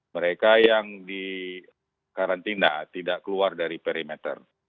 mereka yang dikarantina tidak keluar dari perimeter